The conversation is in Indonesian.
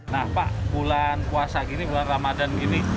nah pak bulan puasa gini bulan ramadhan gini